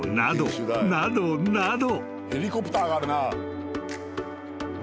［などなど］